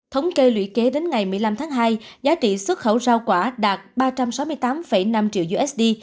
thống kê lũy kế đến ngày một mươi năm tháng hai giá trị xuất khẩu rau quả đạt ba trăm sáu mươi tám năm triệu usd